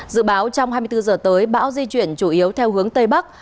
dự báo trong hai mươi bốn giờ tới bão di chuyển chủ yếu theo hướng tây bắc